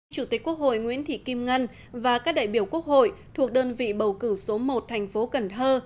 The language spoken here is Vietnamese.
chủ tịch quốc hội nguyễn thị kim ngân và các đại biểu quốc hội thuộc đơn vị bầu cử số một thành phố cần thơ